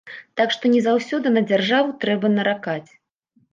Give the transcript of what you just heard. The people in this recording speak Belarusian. Так што не заўсёды на дзяржаву трэба наракаць.